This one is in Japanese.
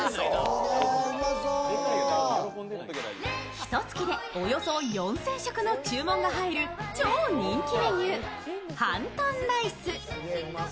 ひとつきでおよそ４００食の注文が入る超人気メニュー、ハントンライス。